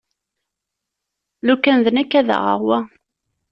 Lukan d nekk ad aɣeɣ wa.